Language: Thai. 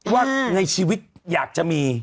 ว่าในชีวิตอยากจะมี